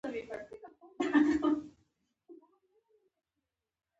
موږ کولای شو ملګري شو.